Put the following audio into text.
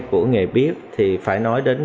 của nghề bếp thì phải nói đến